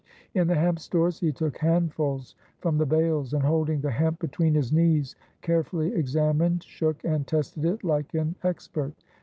In the hemp stores, he took handfuls from the bales, and, holding the hemp between his knees, carefully ex amined, shook and tested it like an expert.